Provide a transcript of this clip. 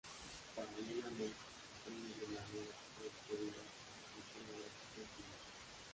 Paralelamente, aprende de manera autodidacta diseño gráfico y cine.